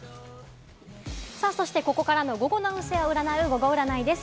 ここからの午後の運勢を占うゴゴ占いです。